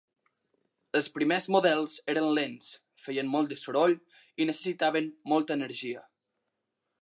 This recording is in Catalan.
Els primers models eren lents, feien molt de soroll i necessitaven molta energia.